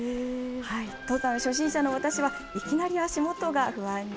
登山初心者の私はいきなり足元が不安に。